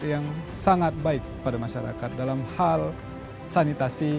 yang sangat baik pada masyarakat dalam hal sanitasi